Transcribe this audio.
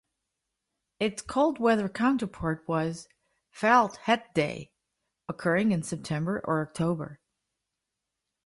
Its cold-weather counterpart was "Felt Hat Day", occurring in September or October.